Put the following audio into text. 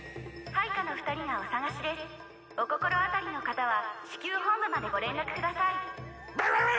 配下の２人がお捜しですお心当たりの方は至急本部までご連絡くださいバウワウ！